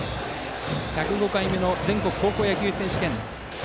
１０５回目の全国高校野球選手権